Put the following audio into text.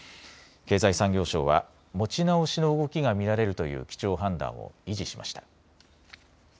経済産業省は持ち直しの動きが見られるという基調判断を維持しました。